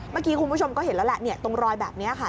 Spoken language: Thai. เมื่อกี้คุณผู้ชมก็เห็นแล้วแหละตรงรอยแบบนี้ค่ะ